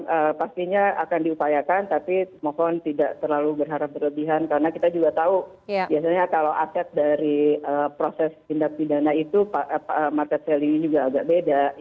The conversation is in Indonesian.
ya pastinya akan diupayakan tapi mohon tidak terlalu berharap berlebihan karena kita juga tahu biasanya kalau aset dari proses tindak pidana itu market value nya juga agak beda